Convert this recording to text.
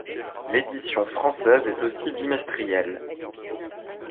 L'édition française est aussi bimestrielle.